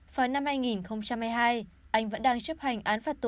vào năm hai nghìn hai mươi hai anh vẫn đang chấp hành án phạt tù